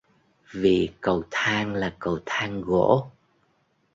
Vì cầu thang là cầu thang gỗ